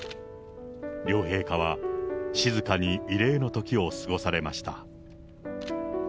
両陛下は、静かに慰霊の時を過ごされました。